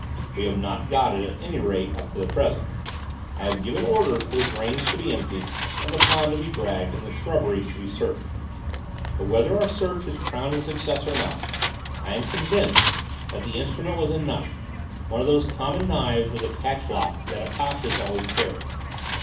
We have not got it, at any rate up to the present; I have given orders for the drains to be emptied, and the pond to be dragged and the shrubberies to be searched, but, whether our search is crowned with success or not, I am convinced that the instrument was a knife, one of those common knives with a catch lock that apaches always carry.